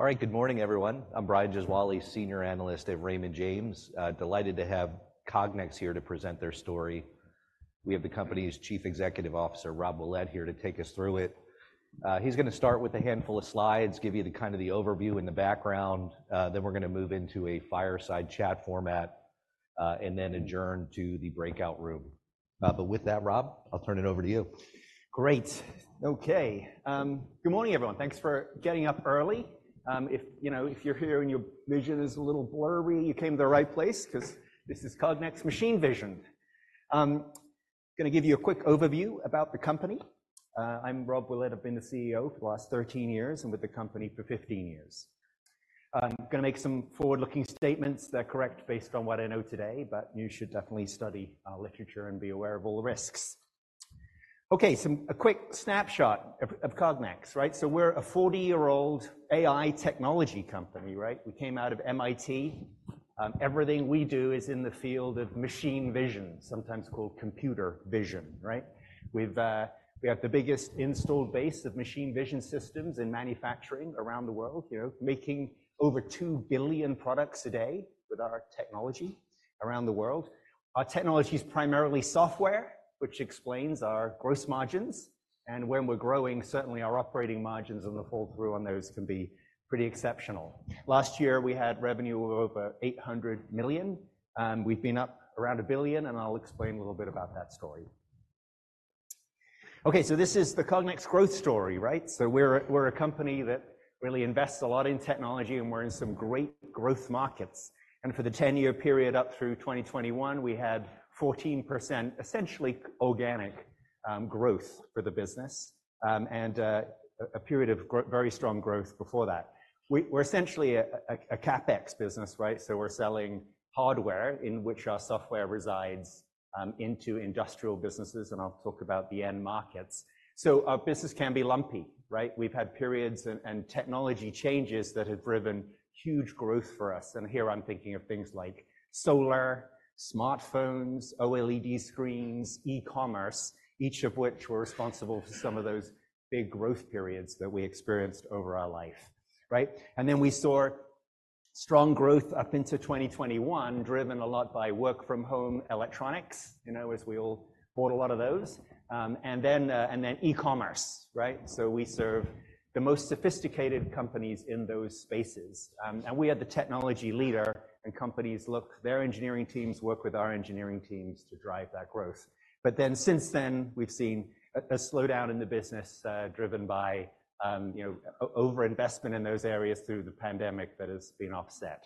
All right, good morning, everyone. I'm Brian Gesuale, Senior Analyst at Raymond James. Delighted to have Cognex here to present their story. We have the company's Chief Executive Officer, Rob Willett, here to take us through it. He's going to start with a handful of slides, give you kind of the overview in the background, then we're going to move into a fireside chat format, and then adjourn to the breakout room. But with that, Rob, I'll turn it over to you. Great. Okay, good morning, everyone. Thanks for getting up early. If you're here and your vision is a little blurry, you came to the right place because this is Cognex Machine Vision. I'm going to give you a quick overview about the company. I'm Rob Willett. I've been the CEO for the last 13 years and with the company for 15 years. I'm going to make some forward-looking statements that are correct based on what I know today, but you should definitely study literature and be aware of all the risks. Okay, so a quick snapshot of Cognex, right? So we're a 40-year-old AI technology company, right? We came out of MIT. Everything we do is in the field of Machine Vision, sometimes called Computer Vision, right? We have the biggest installed base of machine vision systems in manufacturing around the world, making over 2 billion products a day with our technology around the world. Our technology is primarily software, which explains our gross margins. And when we're growing, certainly our operating margins and the fall through on those can be pretty exceptional. Last year, we had revenue of over $800 million. We've been up around $1 billion, and I'll explain a little bit about that story. Okay, so this is the Cognex growth story, right? So we're a company that really invests a lot in technology, and we're in some great growth markets. And for the 10-year period up through 2021, we had 14% essentially organic growth for the business and a period of very strong growth before that. We're essentially a CapEx business, right? So we're selling hardware in which our software resides into industrial businesses, and I'll talk about the end markets. So our business can be lumpy, right? We've had periods and technology changes that have driven huge growth for us. And here I'm thinking of things like solar, smartphones, OLED screens, e-commerce, each of which were responsible for some of those big growth periods that we experienced over our life, right? And then we saw strong growth up into 2021, driven a lot by work-from-home electronics, as we all bought a lot of those, and then e-commerce, right? So we serve the most sophisticated companies in those spaces. And we are the technology leader, and companies look, their engineering teams work with our engineering teams to drive that growth. But then since then, we've seen a slowdown in the business driven by overinvestment in those areas through the pandemic that has been offset.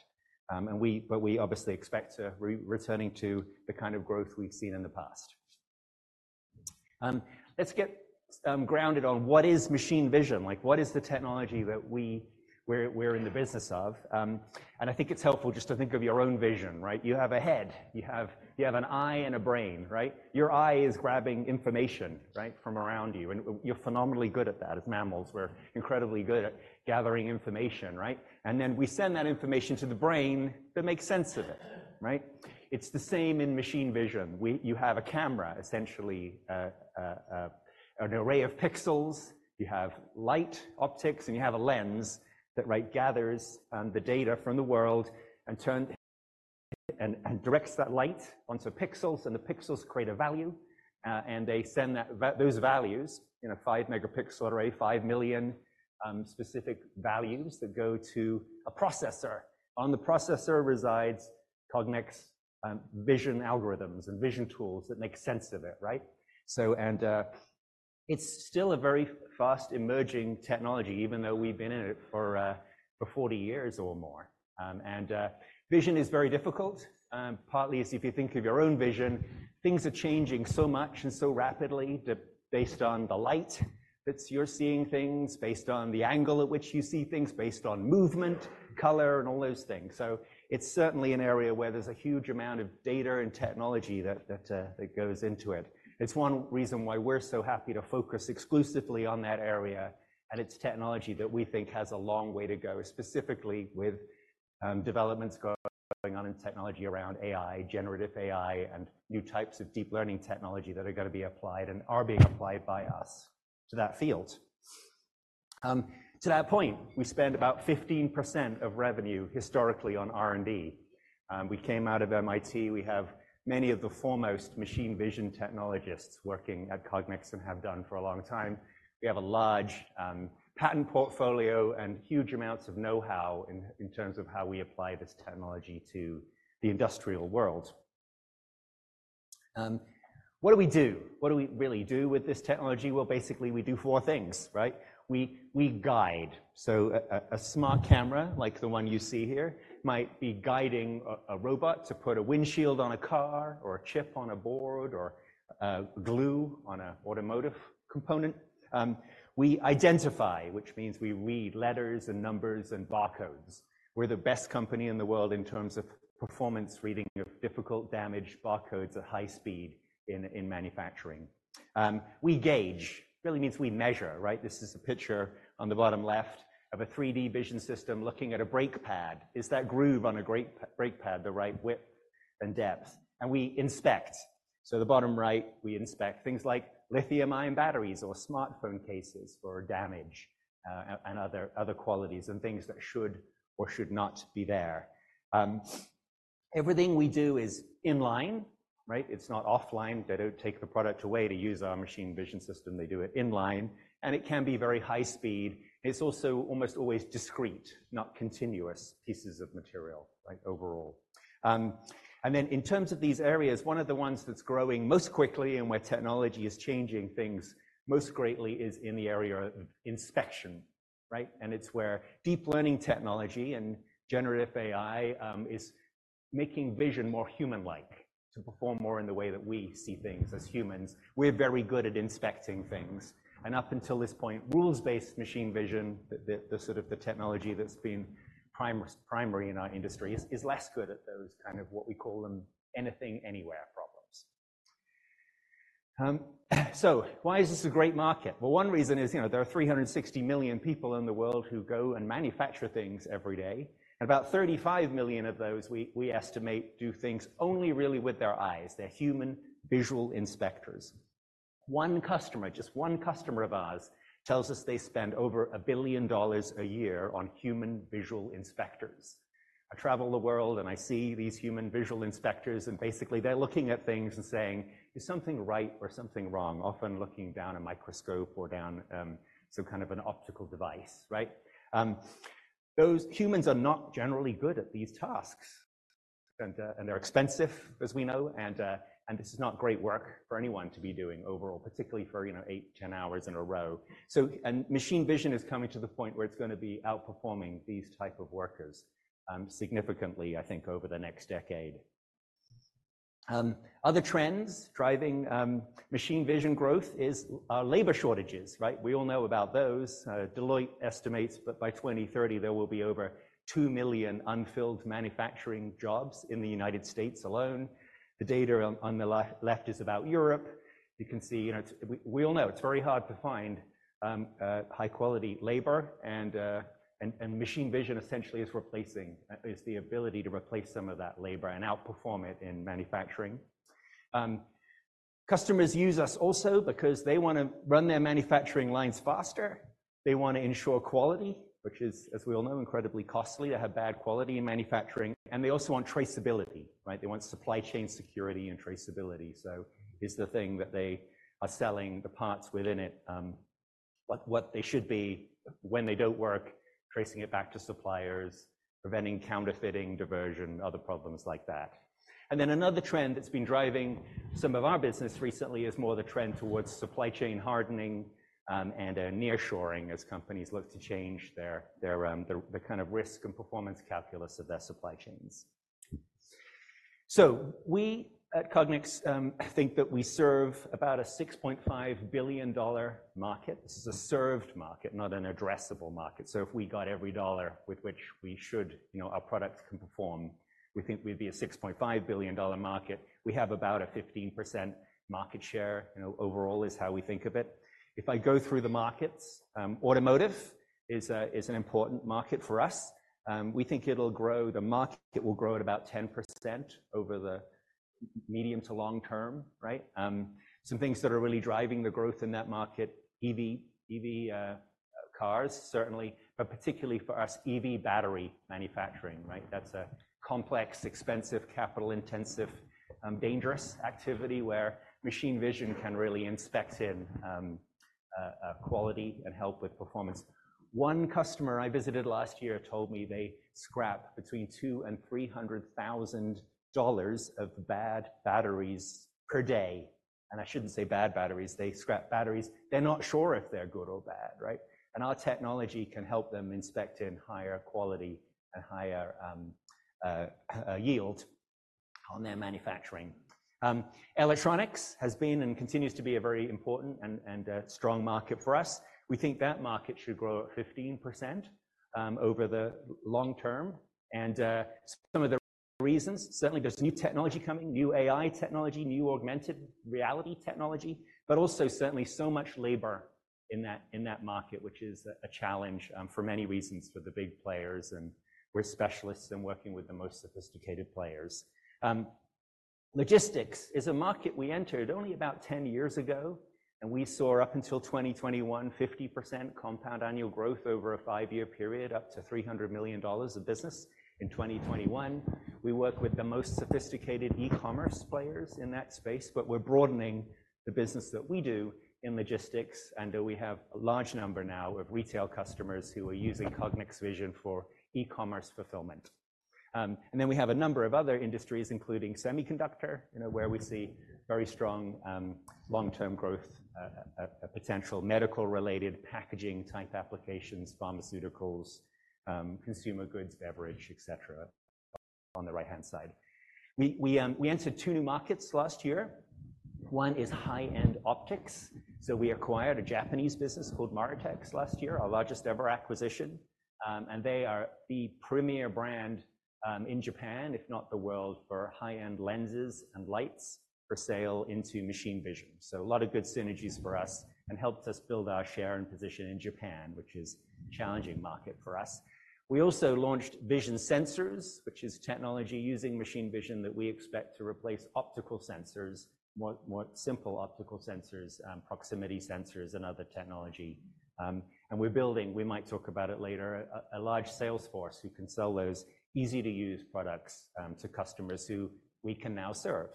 But we obviously expect to be returning to the kind of growth we've seen in the past. Let's get grounded on what is machine vision? What is the technology that we're in the business of? And I think it's helpful just to think of your own vision, right? You have a head. You have an eye and a brain, right? Your eye is grabbing information from around you, and you're phenomenally good at that. As mammals, we're incredibly good at gathering information, right? And then we send that information to the brain that makes sense of it, right? It's the same in machine vision. You have a camera, essentially an array of pixels. You have light optics, and you have a lens that gathers the data from the world and directs that light onto pixels, and the pixels create a value. And they send those values, a 5-megapixel array, five million specific values that go to a processor. On the processor resides Cognex vision algorithms and vision tools that make sense of it, right? And it's still a very fast emerging technology, even though we've been in it for 40 years or more. And vision is very difficult, partly if you think of your own vision. Things are changing so much and so rapidly based on the light that you're seeing things, based on the angle at which you see things, based on movement, color, and all those things. So it's certainly an area where there's a huge amount of data and technology that goes into it. It's one reason why we're so happy to focus exclusively on that area, and it's technology that we think has a long way to go, specifically with developments going on in technology around AI, Generative AI, and new types of deep learning technology that are going to be applied and are being applied by us to that field. To that point, we spend about 15% of revenue historically on R&D. We came out of MIT. We have many of the foremost machine vision technologists working at Cognex and have done for a long time. We have a large patent portfolio and huge amounts of know-how in terms of how we apply this technology to the industrial world. What do we do? What do we really do with this technology? Well, basically, we do four things, right? We guide. So a smart camera like the one you see here might be guiding a robot to put a windshield on a car or a chip on a board or glue on an automotive component. We identify, which means we read letters and numbers and barcodes. We're the best company in the world in terms of performance reading of difficult, damaged barcodes at high speed in manufacturing. We gauge. It really means we measure, right? This is a picture on the bottom left of a 3D vision system looking at a brake pad. Is that groove on a brake pad the right width and depth? And we inspect. So the bottom right, we inspect things like lithium-ion batteries or smartphone cases for damage and other qualities and things that should or should not be there. Everything we do is in line, right? It's not offline. They don't take the product away to use our machine vision system. They do it in line, and it can be very high speed. It's also almost always discrete, not continuous pieces of material, right, overall. And then in terms of these areas, one of the ones that's growing most quickly and where technology is changing things most greatly is in the area of inspection, right? And it's where Deep Learning technology and Generative AI is making vision more human-like to perform more in the way that we see things as humans. We're very good at inspecting things. And up until this point, rules-based Machine Vision, the sort of technology that's been primary in our industry, is less good at those kind of what we call them anything anywhere problems. So why is this a great market? Well, one reason is there are 360 million people in the world who go and manufacture things every day, and about 35 million of those, we estimate, do things only really with their eyes. They're human visual inspectors. One customer, just one customer of ours, tells us they spend over $1 billion a year on human visual inspectors. I travel the world, and I see these human visual inspectors, and basically, they're looking at things and saying, "Is something right or something wrong?" Often looking down a microscope or down some kind of an optical device, right? Those humans are not generally good at these tasks, and they're expensive, as we know, and this is not great work for anyone to be doing overall, particularly for 8, 10 hours in a row. Machine vision is coming to the point where it's going to be outperforming these types of workers significantly, I think, over the next decade. Other trends driving machine vision growth are labor shortages, right? We all know about those. Deloitte estimates that by 2030, there will be over 2 million unfilled manufacturing jobs in the United States alone. The data on the left is about Europe. You can see we all know it's very hard to find high-quality labor, and machine vision, essentially, is the ability to replace some of that labor and outperform it in manufacturing. Customers use us also because they want to run their manufacturing lines faster. They want to ensure quality, which is, as we all know, incredibly costly to have bad quality in manufacturing. And they also want traceability, right? They want supply chain security and traceability. So it's the thing that they are selling the parts within it, what they should be when they don't work, tracing it back to suppliers, preventing counterfeiting, diversion, other problems like that. And then another trend that's been driving some of our business recently is more the trend towards supply chain hardening and nearshoring as companies look to change the kind of risk and performance calculus of their supply chains. So we at Cognex think that we serve about a $6.5 billion market. This is a served market, not an addressable market. So if we got every dollar with which our products can perform, we think we'd be a $6.5 billion market. We have about a 15% market share overall, is how we think of it. If I go through the markets, automotive is an important market for us. We think it'll grow, the market will grow at about 10% over the medium to long term, right? Some things that are really driving the growth in that market, EV cars, certainly, but particularly for us, EV battery manufacturing, right? That's a complex, expensive, capital-intensive, dangerous activity where machine vision can really inspect in quality and help with performance. One customer I visited last year told me they scrap between $200,000 and $300,000 of bad batteries per day. And I shouldn't say bad batteries. They scrap batteries. They're not sure if they're good or bad, right? And our technology can help them inspect in higher quality and higher yield on their manufacturing. Electronics has been and continues to be a very important and strong market for us. We think that market should grow at 15% over the long term. Some of the reasons, certainly, there's new technology coming, new AI technology, new augmented reality technology, but also, certainly, so much labor in that market, which is a challenge for many reasons for the big players. We're specialists in working with the most sophisticated players. Logistics is a market we entered only about 10 years ago, and we saw up until 2021, 50% compound annual growth over a five-year period, up to $300 million of business. In 2021, we worked with the most sophisticated e-commerce players in that space, but we're broadening the business that we do in logistics. We have a large number now of retail customers who are using Cognex vision for e-commerce fulfillment. Then we have a number of other industries, including semiconductor, where we see very strong long-term growth, potential medical-related packaging-type applications, pharmaceuticals, consumer goods, beverage, etc., on the right-hand side. We entered two new markets last year. One is high-end optics. So we acquired a Japanese business called Moritex last year, our largest ever acquisition. And they are the premier brand in Japan, if not the world, for high-end lenses and lights for sale into machine vision. So a lot of good synergies for us and helped us build our share and position in Japan, which is a challenging market for us. We also launched Vision Sensors, which is technology using machine vision that we expect to replace optical sensors, more simple optical sensors, proximity sensors, and other technology. And we're building, we might talk about it later, a large salesforce who can sell those easy-to-use products to customers who we can now serve.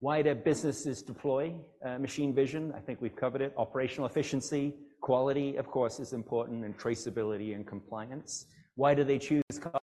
Why do businesses deploy machine vision? I think we've covered it. Operational efficiency, quality, of course, is important, and traceability and compliance. Why do they choose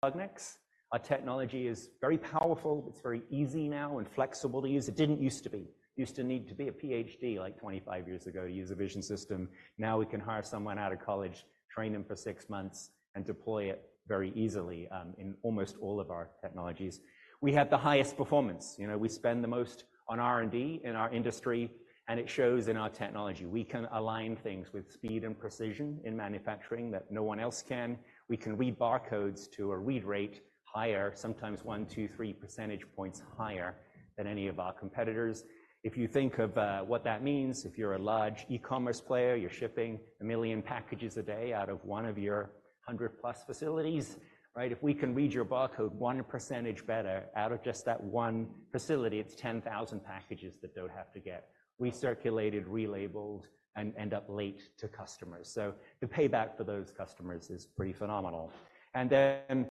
Cognex? Our technology is very powerful. It's very easy now and flexible to use. It didn't used to be. It used to need to be a Ph.D. like 25 years ago to use a vision system. Now we can hire someone out of college, train them for six months, and deploy it very easily in almost all of our technologies. We have the highest performance. We spend the most on R&D in our industry, and it shows in our technology. We can align things with speed and precision in manufacturing that no one else can. We can read barcodes to a read rate higher, sometimes 1, 2, 3 percentage points higher than any of our competitors. If you think of what that means, if you're a large e-commerce player, you're shipping one million packages a day out of one of your 100+ facilities, right? If we can read your barcode 1% better out of just that one facility, it's 10,000 packages that don't have to get recirculated, relabeled, and end up late to customers. So the payback for those customers is pretty phenomenal. And then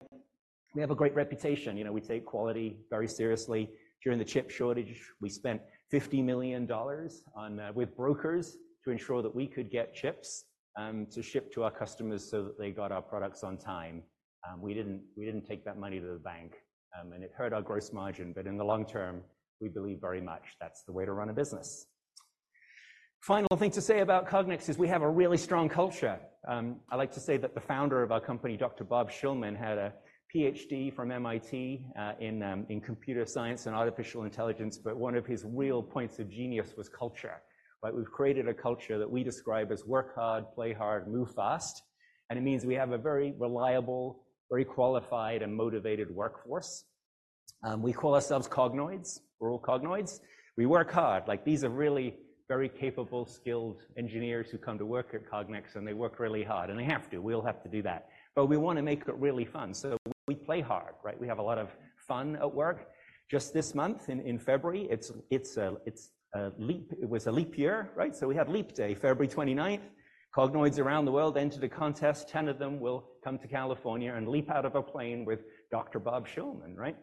we have a great reputation. We take quality very seriously. During the chip shortage, we spent $50 million with brokers to ensure that we could get chips to ship to our customers so that they got our products on time. We didn't take that money to the bank, and it hurt our gross margin. But in the long term, we believe very much that's the way to run a business. Final thing to say about Cognex is we have a really strong culture. I like to say that the founder of our company, Dr. Bob Shillman had a PhD from MIT in computer science and artificial intelligence, but one of his real points of genius was culture, right? We've created a culture that we describe as work hard, play hard, move fast. It means we have a very reliable, very qualified, and motivated workforce. We call ourselves Cognoids. We're all Cognoids. We work hard. These are really very capable, skilled engineers who come to work at Cognex, and they work really hard, and they have to. We'll have to do that. But we want to make it really fun. So we play hard, right? We have a lot of fun at work. Just this month, in February, it was a leap year, right? So we had leap day, February 29th. Cognoids around the world entered a contest. 10 of them will come to California and leap out of a plane with Dr. Bob Shillman, right?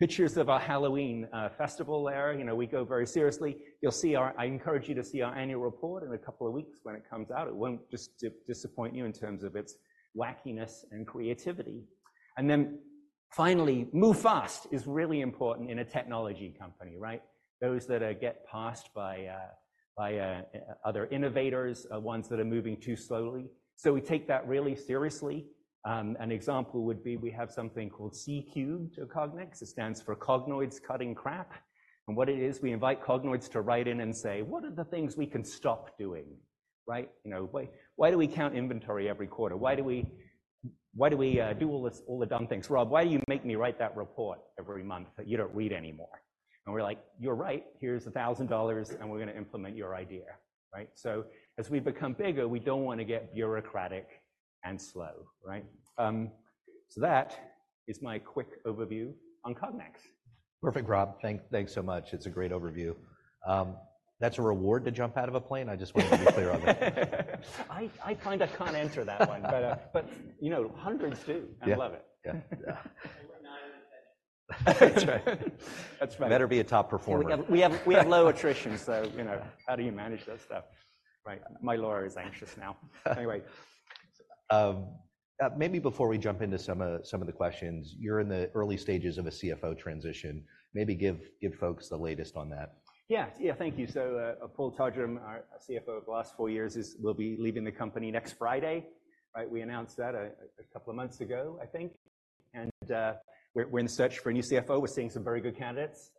Pictures of our Halloween festival there. We go very seriously. You'll see. I encourage you to see our annual report in a couple of weeks when it comes out. It won't just disappoint you in terms of its wackiness and creativity. And then finally, move fast is really important in a technology company, right? Those that get passed by other innovators, ones that are moving too slowly. So we take that really seriously. An example would be we have something called C-Cube at Cognex. It stands for Cognoids Cutting Crap. And what it is, we invite Cognoids to write in and say, "What are the things we can stop doing, right? Why do we count inventory every quarter? Why do we do all the dumb things? Rob, why do you make me write that report every month that you don't read anymore?" And we're like, "You're right. Here's $1,000, and we're going to implement your idea," right? So as we become bigger, we don't want to get bureaucratic and slow, right? So that is my quick overview on Cognex. Perfect, Rob. Thanks so much. It's a great overview. That's a reward to jump out of a plane. I just want to be clear on that. I find I can't answer that one, but hundreds do. I love it. Yeah. That's right. Better be a top performer. We have low attrition, so how do you manage that stuff, right? My Laura is anxious now. Anyway. Maybe before we jump into some of the questions, you're in the early stages of a CFO transition. Maybe give folks the latest on that. Yeah. Yeah. Thank you. So Paul Todgham, our CFO of the last 4 years, will be leaving the company next Friday, right? We announced that a couple of months ago, I think. And we're in search for a new CFO. We're seeing some very good candidates,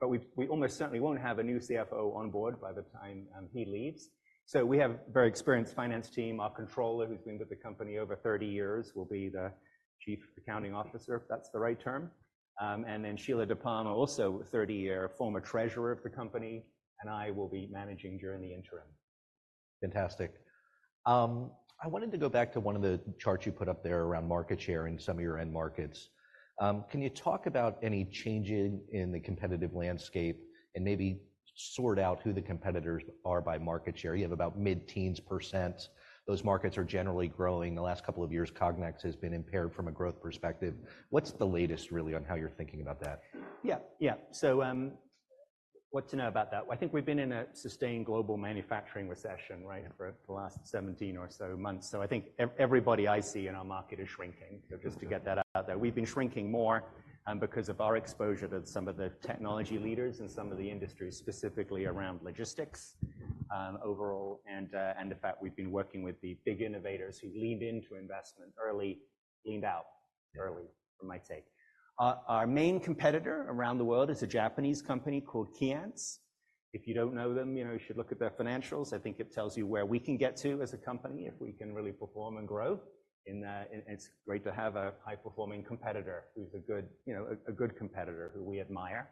but we almost certainly won't have a new CFO on board by the time he leaves. So we have a very experienced finance team. Our controller, who's been with the company over 30 years, will be the chief accounting officer, if that's the right term. And then Sheila DiPalma, also 30-year former treasurer of the company, and I will be managing during the interim. Fantastic. I wanted to go back to one of the charts you put up there around market share in some of your end markets. Can you talk about any changes in the competitive landscape and maybe sort out who the competitors are by market share? You have about mid-teens%. Those markets are generally growing. The last couple of years, Cognex has been impaired from a growth perspective. What's the latest, really, on how you're thinking about that? Yeah. Yeah. So what to know about that? I think we've been in a sustained global manufacturing recession, right, for the last 17 or so months. So I think everybody I see in our market is shrinking, just to get that out there. We've been shrinking more because of our exposure to some of the technology leaders and some of the industries, specifically around logistics overall. And the fact we've been working with the big innovators who leaned into investment early, leaned out early, from my take. Our main competitor around the world is a Japanese company called Keyence. If you don't know them, you should look at their financials. I think it tells you where we can get to as a company if we can really perform and grow. And it's great to have a high-performing competitor who's a good competitor who we admire.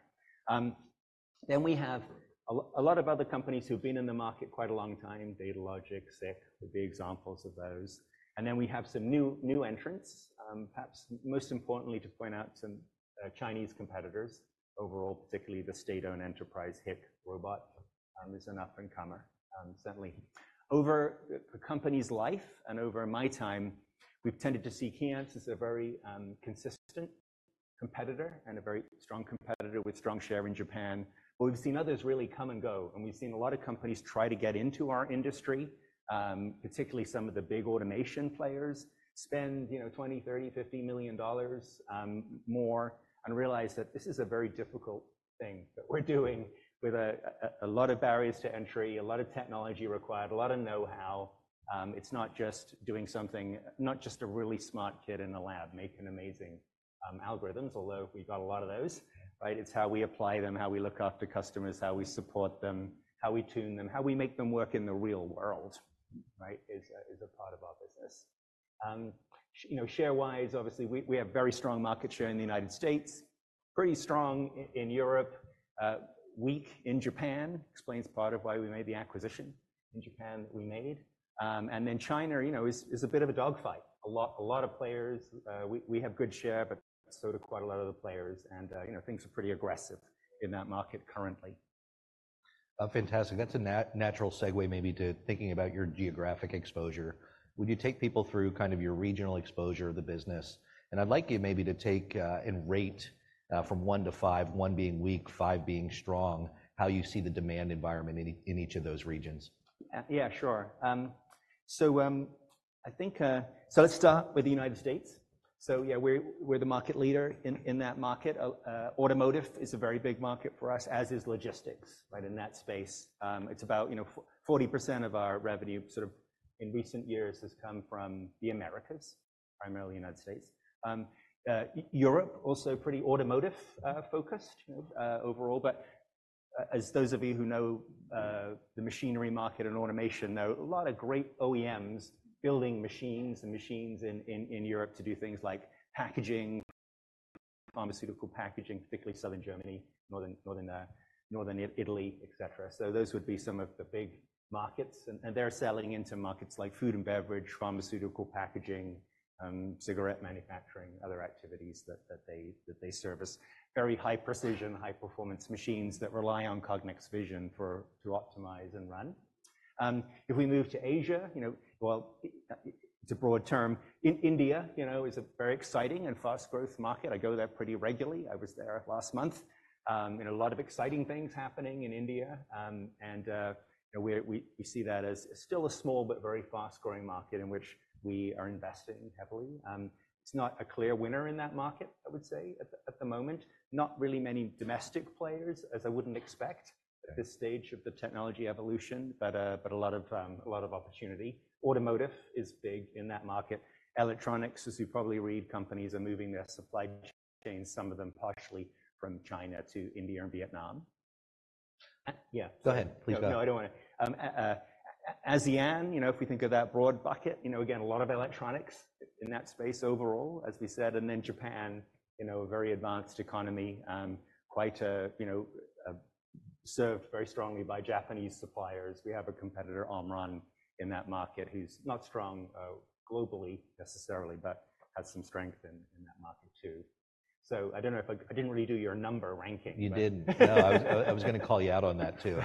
Then we have a lot of other companies who've been in the market quite a long time. Datalogic, SICK would be examples of those. And then we have some new entrants. Perhaps most importantly, to point out, some Chinese competitors overall, particularly the state-owned enterprise Hikrobot. There's an up-and-comer, certainly. Over the company's life and over my time, we've tended to see Keyence as a very consistent competitor and a very strong competitor with strong share in Japan. But we've seen others really come and go. And we've seen a lot of companies try to get into our industry, particularly some of the big automation players, spend $20 million, $30 million, $50 million or more and realize that this is a very difficult thing that we're doing with a lot of barriers to entry, a lot of technology required, a lot of know-how. It's not just doing something, not just a really smart kid in a lab making amazing algorithms, although we've got a lot of those, right? It's how we apply them, how we look after customers, how we support them, how we tune them, how we make them work in the real world, right, is a part of our business. Share-wise, obviously, we have very strong market share in the United States, pretty strong in Europe, weak in Japan, explains part of why we made the acquisition in Japan that we made. And then China is a bit of a dogfight. A lot of players. We have good share, but so do quite a lot of the players. And things are pretty aggressive in that market currently. Fantastic. That's a natural segue, maybe, to thinking about your geographic exposure. Would you take people through kind of your regional exposure of the business? And I'd like you maybe to take and rate from 1 to 5, 1 being weak, 5 being strong, how you see the demand environment in each of those regions? Yeah. Sure. So let's start with the United States. So yeah, we're the market leader in that market. Automotive is a very big market for us, as is logistics, right, in that space. It's about 40% of our revenue, sort of in recent years, has come from the Americas, primarily the United States. Europe, also pretty automotive-focused overall. But as those of you who know the machinery market and automation, there are a lot of great OEMs building machines and machines in Europe to do things like packaging, pharmaceutical packaging, particularly southern Germany, northern Italy, etc. So those would be some of the big markets. And they're selling into markets like food and beverage, pharmaceutical packaging, cigarette manufacturing, other activities that they service, very high precision, high-performance machines that rely on Cognex vision to optimize and run. If we move to Asia, well, it's a broad term. India is a very exciting and fast-growth market. I go there pretty regularly. I was there last month. A lot of exciting things happening in India. We see that as still a small but very fast-growing market in which we are investing heavily. It's not a clear winner in that market, I would say, at the moment. Not really many domestic players, as I wouldn't expect at this stage of the technology evolution, but a lot of opportunity. Automotive is big in that market. Electronics, as you probably read, companies are moving their supply chains, some of them partially, from China to India and Vietnam. Yeah. Go ahead. Please go. No, I don't want to. ASEAN, if we think of that broad bucket, again, a lot of electronics in that space overall, as we said. And then Japan, a very advanced economy, served very strongly by Japanese suppliers. We have a competitor, Omron, in that market who's not strong globally necessarily, but has some strength in that market too. So I don't know if I didn't really do your number ranking. You didn't. No, I was going to call you out on that too.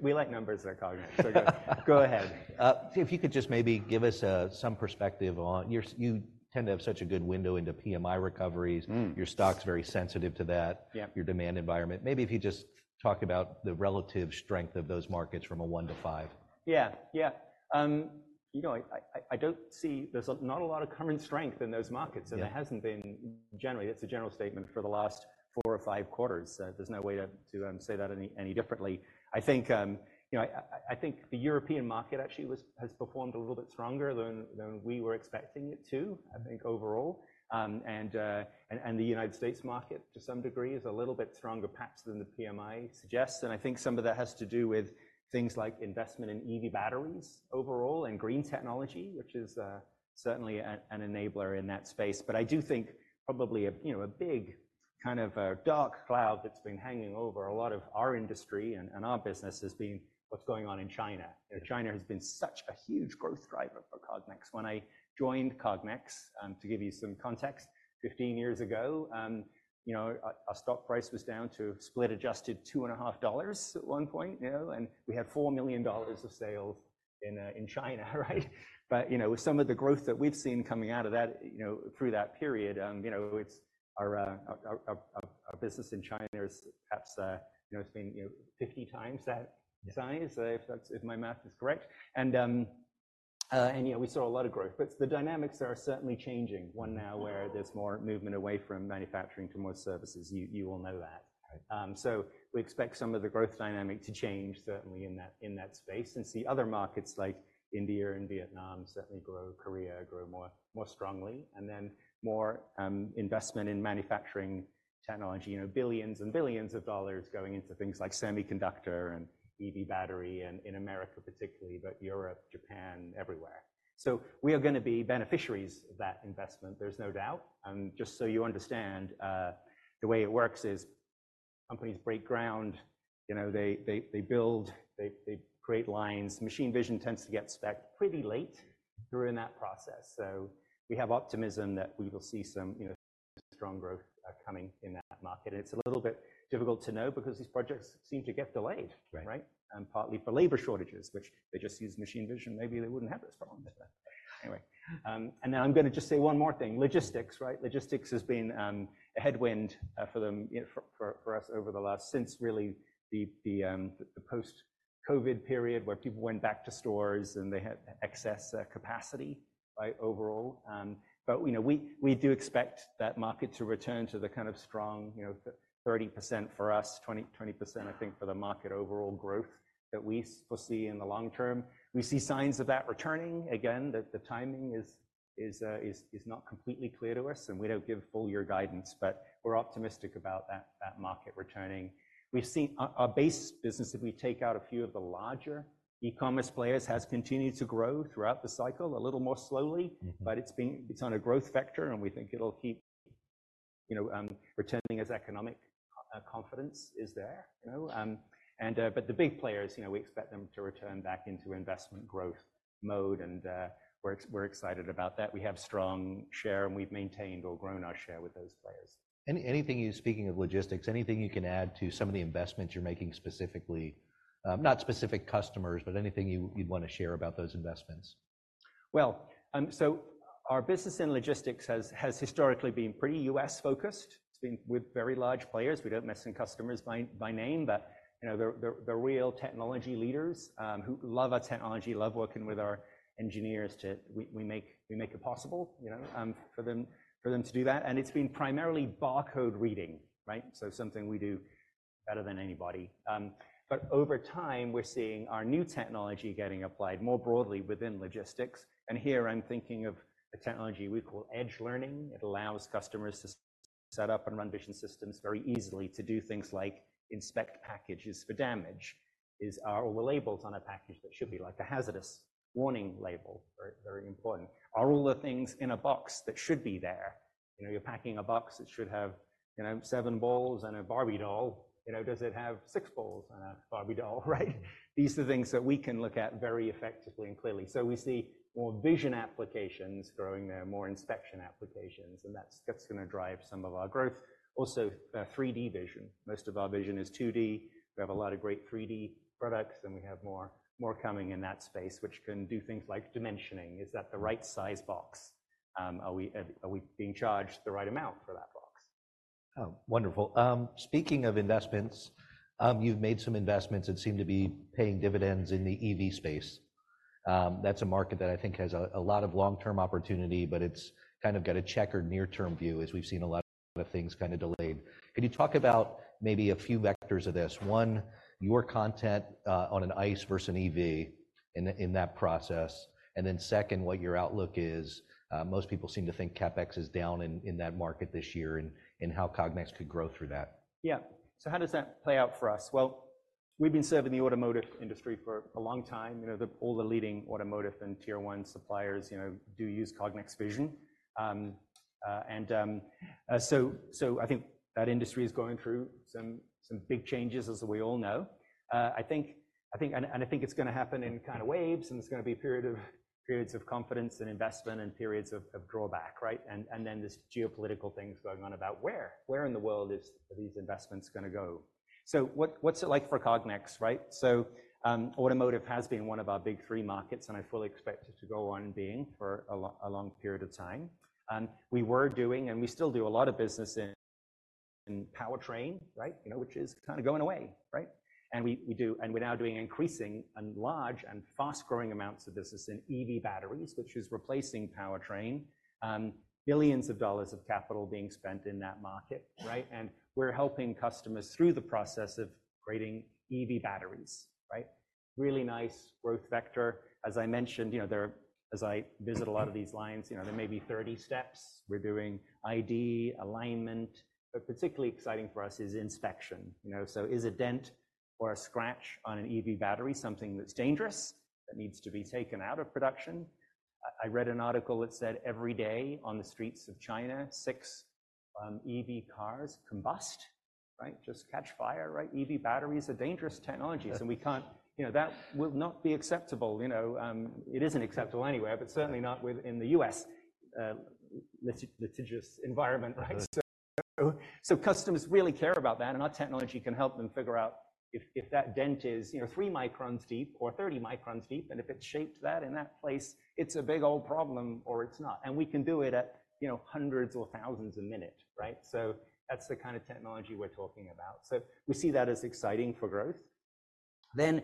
We like numbers at Cognex. So go ahead. If you could just maybe give us some perspective on, you tend to have such a good window into PMI recoveries. Your stock's very sensitive to that, your demand environment. Maybe if you just talk about the relative strength of those markets from a one to five? Yeah. Yeah. I don't see there's not a lot of current strength in those markets, and there hasn't been generally. That's a general statement for the last 4 or 5 quarters. There's no way to say that any differently. I think the European market actually has performed a little bit stronger than we were expecting it to, I think, overall. And the United States market, to some degree, is a little bit stronger, perhaps, than the PMI suggests. And I think some of that has to do with things like investment in EV batteries overall and green technology, which is certainly an enabler in that space. But I do think probably a big kind of dark cloud that's been hanging over a lot of our industry and our business has been what's going on in China. China has been such a huge growth driver for Cognex. When I joined Cognex, to give you some context, 15 years ago, our stock price was down to split-adjusted $2.50 at one point, and we had $4 million of sales in China, right? But with some of the growth that we've seen coming out of that through that period, our business in China has perhaps been 50 times that size, if my math is correct. And we saw a lot of growth. But the dynamics are certainly changing, one now where there's more movement away from manufacturing to more services. You all know that. So we expect some of the growth dynamic to change, certainly, in that space. And see, other markets like India and Vietnam certainly grow, Korea grow more strongly, and then more investment in manufacturing technology, billions and billions of dollars going into things like semiconductor and EV battery in America, particularly, but Europe, Japan, everywhere. So we are going to be beneficiaries of that investment, there's no doubt. Just so you understand, the way it works is companies break ground. They build. They create lines. Machine vision tends to get specced pretty late during that process. So we have optimism that we will see some strong growth coming in that market. And it's a little bit difficult to know because these projects seem to get delayed, right, partly for labor shortages, which they just use machine vision. Maybe they wouldn't have this problem. Anyway. And then I'm going to just say one more thing, logistics, right? Logistics has been a headwind for us over the last since really the post-COVID period where people went back to stores and they had excess capacity, right, overall. But we do expect that market to return to the kind of strong 30% for us, 20%, I think, for the market overall growth that we foresee in the long term. We see signs of that returning again, that the timing is not completely clear to us, and we don't give full-year guidance, but we're optimistic about that market returning. Our base business, if we take out a few of the larger e-commerce players, has continued to grow throughout the cycle, a little more slowly, but it's on a growth vector, and we think it'll keep reaccelerating as economic confidence is there. But the big players, we expect them to return back into investment growth mode, and we're excited about that. We have strong share, and we've maintained or grown our share with those players. Anything you speaking of logistics, anything you can add to some of the investments you're making specifically, not specific customers, but anything you'd want to share about those investments? Well, so our business in logistics has historically been pretty U.S.-focused. It's been with very large players. We don't mention customers by name, but they're real technology leaders who love our technology, love working with our engineers to we make it possible for them to do that. And it's been primarily barcode reading, right, so something we do better than anybody. But over time, we're seeing our new technology getting applied more broadly within logistics. And here I'm thinking of a technology we call Edge Learning. It allows customers to set up and run vision systems very easily to do things like inspect packages for damage. Are all the labels on a package that should be like a hazardous warning label, very important, are all the things in a box that should be there? You're packing a box that should have seven balls and a Barbie doll. Does it have six balls and a Barbie doll, right? These are things that we can look at very effectively and clearly. So we see more vision applications growing there, more inspection applications, and that's going to drive some of our growth. Also, 3D vision. Most of our vision is 2D. We have a lot of great 3D products, and we have more coming in that space, which can do things like dimensioning. Is that the right size box? Are we being charged the right amount for that box? Wonderful. Speaking of investments, you've made some investments that seem to be paying dividends in the EV space. That's a market that I think has a lot of long-term opportunity, but it's kind of got a checkered near-term view, as we've seen a lot of things kind of delayed. Can you talk about maybe a few vectors of this? One, your content on an ICE versus an EV in that process. And then second, what your outlook is. Most people seem to think CapEx is down in that market this year and how Cognex could grow through that. Yeah. So how does that play out for us? Well, we've been serving the automotive industry for a long time. All the leading automotive and tier one suppliers do use Cognex vision. And so I think that industry is going through some big changes, as we all know. And I think it's going to happen in kind of waves, and there's going to be periods of confidence and investment and periods of drawback, right? And then this geopolitical thing's going on about where in the world are these investments going to go? So what's it like for Cognex, right? So automotive has been one of our big three markets, and I fully expect it to go on being for a long period of time. We were doing and we still do a lot of business in powertrain, right, which is kind of going away, right? And we're now doing increasing and large and fast-growing amounts of business in EV batteries, which is replacing powertrain, billions of dollars of capital being spent in that market, right? And we're helping customers through the process of creating EV batteries, right? Really nice growth vector. As I mentioned, as I visit a lot of these lines, there may be 30 steps. We're doing ID alignment. But particularly exciting for us is inspection. So is a dent or a scratch on an EV battery something that's dangerous that needs to be taken out of production? I read an article that said every day on the streets of China, 6 EV cars combust, right, just catch fire, right? EV batteries are dangerous technologies, and we can't that will not be acceptable. It isn't acceptable anywhere, but certainly not in the US litigious environment, right? So customers really care about that, and our technology can help them figure out if that dent is 3 microns deep or 30 microns deep, and if it's shaped that in that place, it's a big old problem or it's not. And we can do it at hundreds or thousands a minute, right? So that's the kind of technology we're talking about. So we see that as exciting for growth. And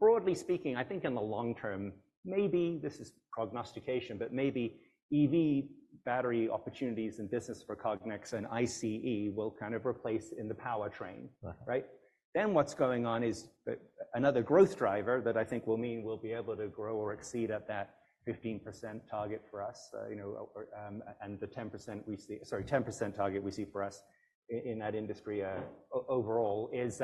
broadly speaking, I think in the long term, maybe this is prognostication, but maybe EV battery opportunities and business for Cognex and ICE will kind of replace in the powertrain, right? Then what's going on is another growth driver that I think will mean we'll be able to grow or exceed at that 15% target for us. And the 10% we see, sorry, 10% target we see for us in that industry overall is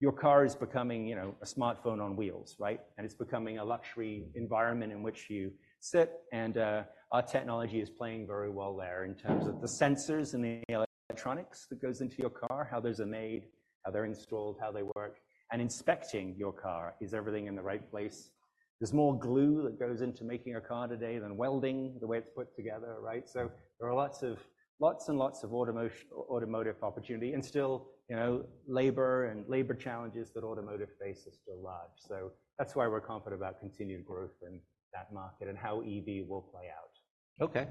your car is becoming a smartphone on wheels, right? And it's becoming a luxury environment in which you sit, and our technology is playing very well there in terms of the sensors and the electronics that goes into your car, how they're made, how they're installed, how they work. And inspecting your car, is everything in the right place? There's more glue that goes into making a car today than welding the way it's put together, right? So there are lots and lots of automotive opportunity and still labor and labor challenges that automotive face are still large. So that's why we're confident about continued growth in that market and how EV will play out. Okay.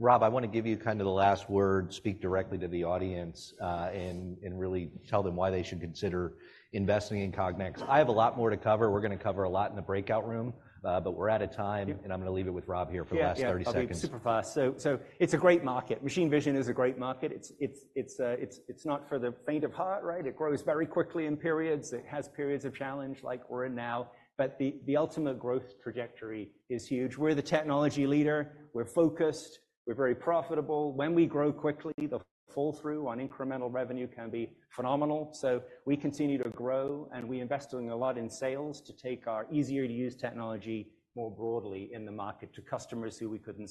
Rob, I want to give you kind of the last word, speak directly to the audience, and really tell them why they should consider investing in Cognex. I have a lot more to cover. We're going to cover a lot in the breakout room, but we're out of time, and I'm going to leave it with Rob here for the last 30 seconds. Yeah, I'll be super fast. So it's a great market. Machine vision is a great market. It's not for the faint of heart, right? It grows very quickly in periods. It has periods of challenge like we're in now, but the ultimate growth trajectory is huge. We're the technology leader. We're focused. We're very profitable. When we grow quickly, the fall through on incremental revenue can be phenomenal. So we continue to grow, and we invest a lot in sales to take our easier-to-use technology more broadly in the market to customers who we can.